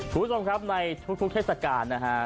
คุณผู้ชมครับในทุกเทศกาลนะฮะ